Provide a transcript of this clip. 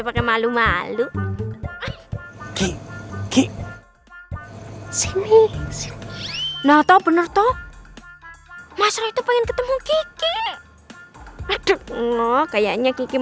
pakai malu malu ki ki sini sini atau bener toh masa itu pengen ketemu kiki aduh kayaknya kiki